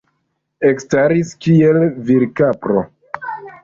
Ekstaris, kiel virkapro.